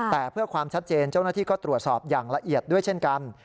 แต่เพื่อความชัดเจนเจ้าหน้าที่ก็ตรวจสอบอย่างละเอียดด้วยเช่นกัน